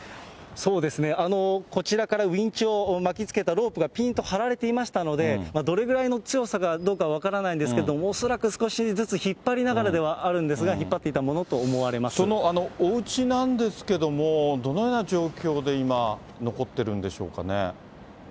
そうですね、こちらからウインチを巻き付けたロープがぴんと張られていましたので、どれぐらいの強さかどうか分からないんですけれども、恐らく少しずつ引っ張りながらではあるんですが、そのおうちなんですけれども、どのような状況で今、残ってるんでしょうかね。